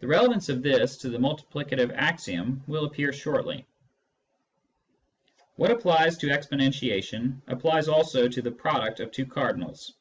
The relevance of this to the multiplicative axiom will appear shortly. What applies to exponentiation applies also to the product of two cardinals.